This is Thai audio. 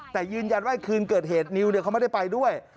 แต่ยืนยันว่าคืนเกิดเหตุนิวเขาไม่ได้ไปด้วย